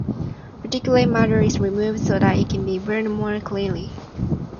Particulate matter is removed so that it can be burned more cleanly.